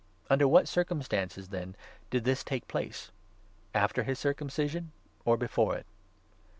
Under what circumstances, then, did this take place? after 10 his circumcision or before it